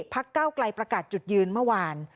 ภาคก้าวกลัยประกาศจุดยืนเมื่อวาน